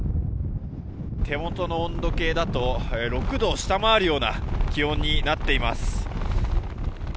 手元の温度計だと６度を下回るような気温になっています。